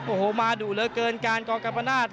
โอ้โหมาดุเหลือเกินการกองกัมปนาศ